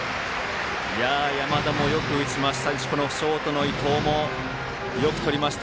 山田もよく打ちましたしショートの伊藤もよくとりました。